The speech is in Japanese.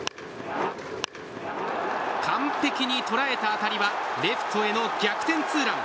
完璧に捉えた当たりはレフトへの逆転ツーラン。